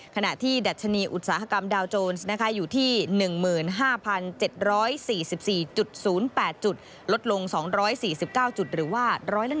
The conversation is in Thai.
ขณะที่ดัชนีอุตสาหกรรมดาวโจรสอยู่ที่๑๕๗๔๔๐๘จุดลดลง๒๔๙จุดหรือว่า๑๑